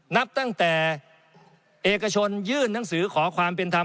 นับตั้งแต่เอกชนยื่นหนังสือขอความเป็นธรรม